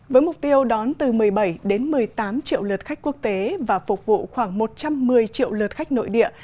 với mục tiêu đón từ một mươi bảy một mươi tám triệu lượt khách quốc tế và phục vụ khoảng một trăm một mươi triệu lượt khách nội địa